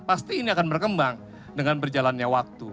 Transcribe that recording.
pasti ini akan berkembang dengan berjalannya waktu